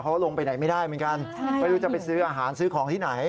เขาลงไปไหนไม่ได้เหมือนกันไม่รู้จะไปซื้ออาหารซื้อของที่ไหน